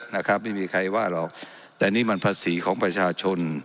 นะครับไม่มีใครว่าหรอกแต่นี่มันภาษีของประชาชน